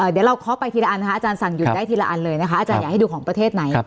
เดี๋ยวเราเคาะไปทีละอันนะคะอาจารย์สั่งหยุดได้ทีละอันเลยนะคะอาจารย์อยากให้ดูของประเทศไหน